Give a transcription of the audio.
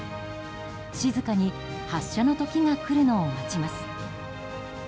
静かに発射の時が来るのを待ちます。